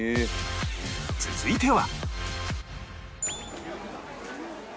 続いては